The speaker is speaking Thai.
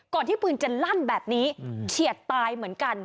ที่ปืนจะลั่นแบบนี้เฉียดตายเหมือนกัน